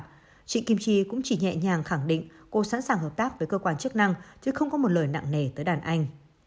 trịnh kim chi cũng chỉ nhẹ nhàng khẳng định cô sẵn sàng hợp tác với cơ quan chức năng chứ không có một lời nặng nề tới đàn anh